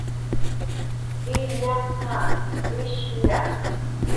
illaqa, wishlla